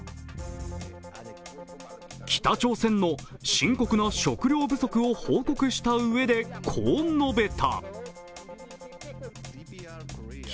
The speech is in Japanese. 北朝鮮の深刻な食料不足を報告したうえで、こう述べた。